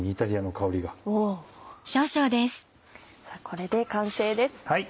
これで完成です。